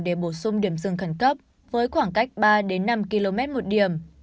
để bổ sung điểm rừng khẩn cấp với khoảng cách ba năm km một điểm